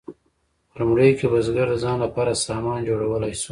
په لومړیو کې بزګر د ځان لپاره سامان جوړولی شو.